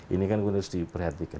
ini kan harus diperhatikan